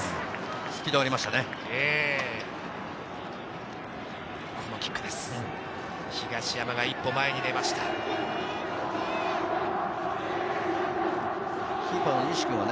スピードがありましたね。